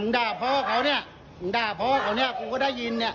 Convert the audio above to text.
ด่าพ่อเขาเนี่ยมึงด่าพ่อเขาเนี่ยกูก็ได้ยินเนี่ย